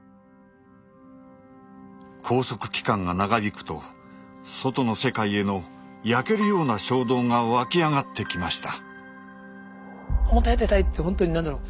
拘束期間が長引くと外の世界への焼けるような衝動が湧き上がってきました。